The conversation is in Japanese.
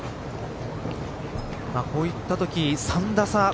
こういったとき３打差